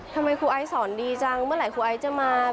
ทำไมครูไอซ์สอนดีจังเมื่อไหครูไอซ์จะมา